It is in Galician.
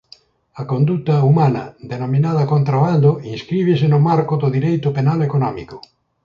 A conduta humana denominada contrabando inscríbese no marco do dereito penal económico.